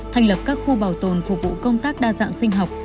thành lập các khu bảo tồn phục vụ công tác đa dạng